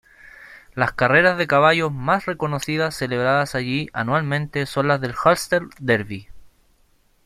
La carreras de caballos más reconocidas celebradas allí anualmente son las del Ulster Derby.